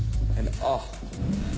ああ。